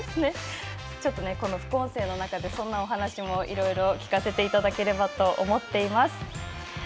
副音声の中でそんなお話もいろいろ聞かせていただければと思っています。